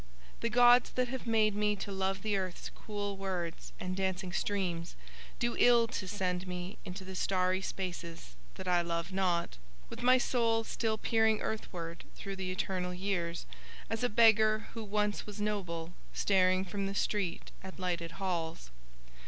The gods that have made me to love the earth's cool woods and dancing streams do ill to send me into the starry spaces that I love not, with my soul still peering earthward through the eternal years, as a beggar who once was noble staring from the street at lighted halls.